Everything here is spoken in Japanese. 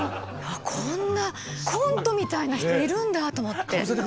こんなコントみたいな人いるんだと思って。